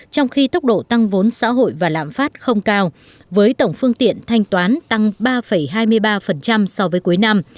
trong khi tốc độ tăng vốn xã hội và lạm phát không cao với tổng phương tiện thanh toán tăng ba hai mươi ba so với cuối năm